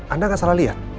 anda gak salah lihat